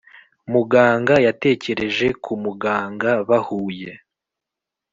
muganga yatekereje kumuganga bahuye